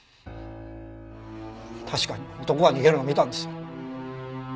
確かに男が逃げるのを見たんですよ。